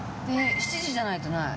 ７時じゃないとない。